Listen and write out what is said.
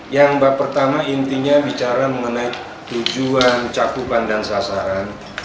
yang pertama intinya bicara mengenai tujuan cakupan dan sasaran